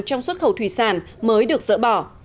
trong xuất khẩu thủy sản mới được dỡ bỏ